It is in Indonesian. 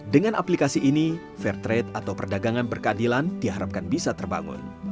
dengan aplikasi ini fair trade atau perdagangan berkeadilan diharapkan bisa terbangun